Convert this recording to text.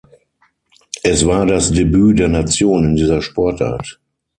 Es war das Debüt der Nation in dieser Sportart.